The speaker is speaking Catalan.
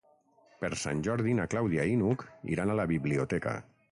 Per Sant Jordi na Clàudia i n'Hug iran a la biblioteca.